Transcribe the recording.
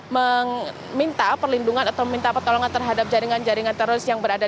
meminta perlindungan atau minta pertolongan terhadap jaringan jaringan teroris yang berada